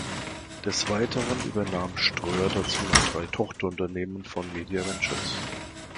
Des Weiteren übernahm Ströer dazu noch drei Tochterunternehmen von Media Ventures.